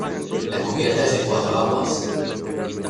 La cubierta es de cuatro aguas.